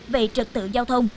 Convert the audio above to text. về trực tự giao thông